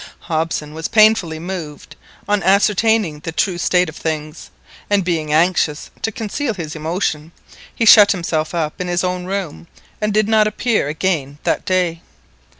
Hobson was painfully moved on ascertaining the true state of things, and being anxious to conceal his emotion, he shut himself up in his own room and did not appear again that day.